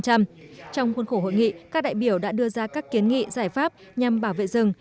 trong khuôn khổ hội nghị các đại biểu đã đưa ra các kiến nghị giải pháp nhằm bảo vệ rừng